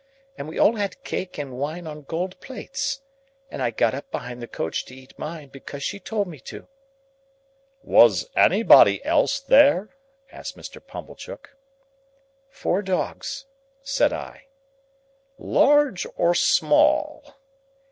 And we all had cake and wine on gold plates. And I got up behind the coach to eat mine, because she told me to." "Was anybody else there?" asked Mr. Pumblechook. "Four dogs," said I. "Large or small?"